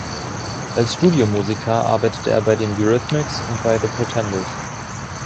Als Studiomusiker arbeitete er bei den "Eurythmics" und bei "The Pretenders".